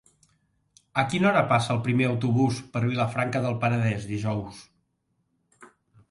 A quina hora passa el primer autobús per Vilafranca del Penedès dijous?